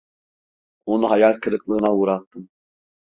Onu hayal kırıklığına uğrattım.